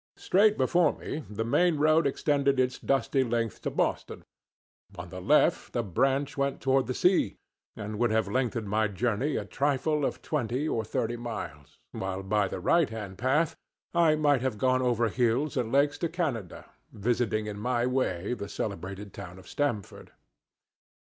Straight before me the main road extended its dusty length to Boston; on the left a branch went toward the sea, and would have lengthened my journey a trifle of twenty or thirty miles, while by the right hand path I might have gone over hills and lakes to Canada, visiting in my way the celebrated town of Stamford.